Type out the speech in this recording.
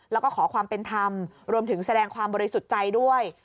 แล้วก็ขอความเป็นธรรมรวมถึงแสดงความบริสุทธิ์ใจด้วย